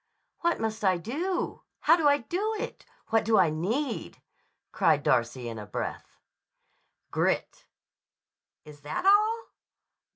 "What must I do? How do I do it? What do I need?" cried Darcy in a breath. "Grit." "Is that all?"